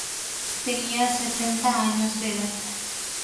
Tenía setenta años de edad.